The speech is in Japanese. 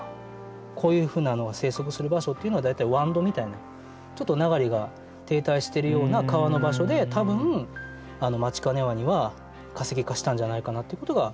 こういうふうなのが生息する場所っていうのは大体わんどみたいなちょっと流れが停滞してるような川の場所で多分マチカネワニは化石化したんじゃないかなっていうことが分かってくる。